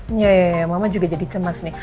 yeay mama juga jadi cemas nih